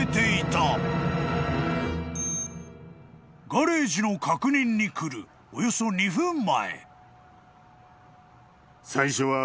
［ガレージの確認に来るおよそ２分前］